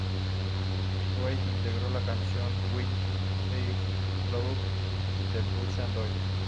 Reid interpretó la canción "When I Grow Up" de The Pussycat Dolls.